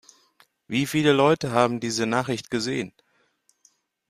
Wie viele Leute haben diese Nachricht gesehen?